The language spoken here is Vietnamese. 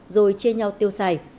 rồi chia nhau tiêu xài